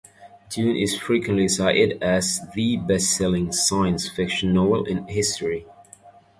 "Dune" is frequently cited as the best-selling science fiction novel in history.